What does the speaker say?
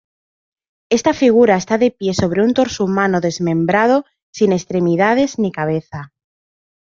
Esta figura está de pie sobre un torso humano desmembrado, sin extremidades ni cabeza.